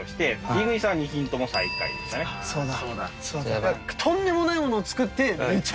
そうだ。